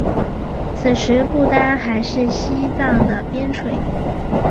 此时不丹还是西藏的边陲。